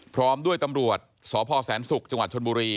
พร้อมด้วยตำรวจสพแสนศุกร์จังหวัดชนบุรี